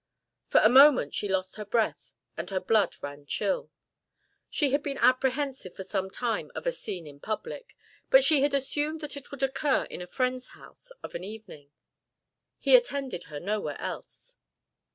For a moment she lost her breath and her blood ran chill. She had been apprehensive for some time of a scene in public, but she had assumed that it would occur in a friend's house of an evening; he attended her nowhere else.